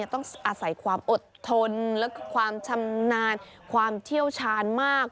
ต้องอาศัยความอดทนและความชำนาญความเชี่ยวชาญมาก